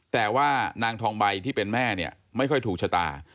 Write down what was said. แต่ว่านางทองใบที่เป็นแม่เนี่ยไม่ค่อยถูกชะตา